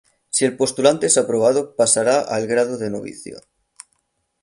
Si el postulante es aprobado pasará a el grado de novicio.